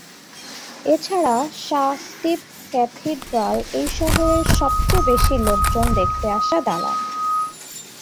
এছাড়া সাঁ-স্তিপঁ ক্যাথিড্রাল এই শহরের সবচেয়ে বেশি লোকজন দেখতে আসা দালান।